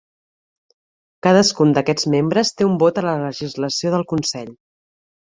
Cadascun d'aquests membres té un vot a la legislació del consell.